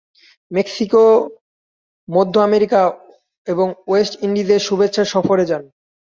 Mexico, মধ্য America এবং west ইন্ডিজে শুভেচ্ছা সফরে যান।